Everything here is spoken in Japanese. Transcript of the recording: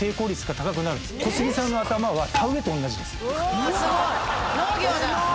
おすごい！農業だ。